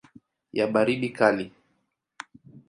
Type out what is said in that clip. ya baridi kali.